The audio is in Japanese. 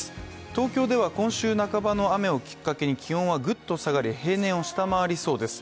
東京では今週半ばの雨をきっかけに気温がぐっと下がり平年を下回りそうです。